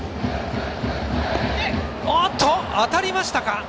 当たりましたか。